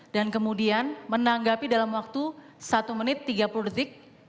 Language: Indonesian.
dan kemudian menanggapi dalam waktu satu menit tiga puluh detik